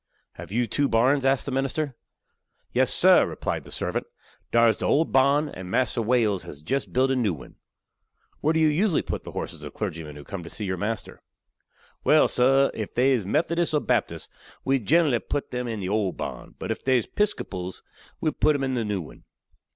"Have you two barns?" asked the minister. "Yes, sah," replied the servant; "dar's de old barn, and Mas'r Wales has jest built a new one." "Where do you usually put the horses of clergymen who come to see your master?" "Well, sah, if dey's Methodist or Baptist we gen'ally puts 'em in de ole barn, but if dey's 'Piscopals we puts 'em in the new one."